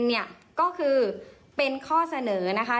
เนี่ยก็คือเป็นข้อเสนอนะคะ